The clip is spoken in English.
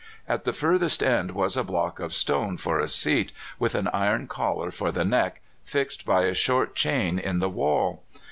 At the furthest end was a block of stone for a seat, with an iron collar for the neck, fixed by a short chain in the wall.